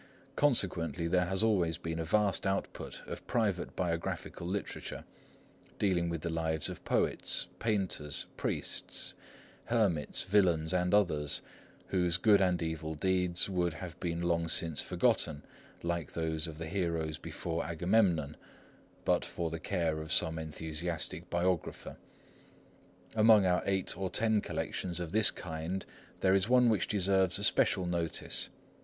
Consequently, there has always been a vast output of private biographical literature, dealing with the lives of poets, painters, priests, hermits, villains, and others, whose good and evil deeds would have been long since forgotten, like those of the heroes before Agamemnon, but for the care of some enthusiastic biographer. Among our eight or ten collections of this kind, there is one which deserves a special notice.